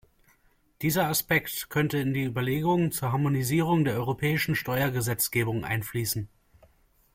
Dieser Aspekt könnte in die Überlegungen zur Harmonisierung der europäischen Steuergesetzgebung einfließen.